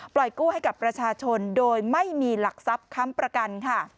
กู้ให้กับประชาชนโดยไม่มีหลักทรัพย์ค้ำประกันค่ะ